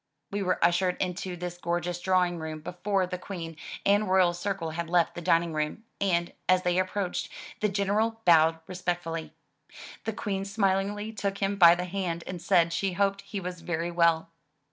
We were ushered into this gorgeous drawing room before the Queen and royal circle had left the dining room, and, as they approached, the General bowed respectfully. The Queen smilingly took him by the hand, and said she hoped he was very well.